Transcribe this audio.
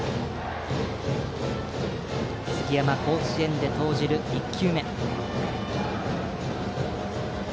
杉山が甲子園で投じる１球目。